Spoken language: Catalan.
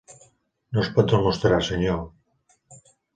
No es pot demostrar, senyor.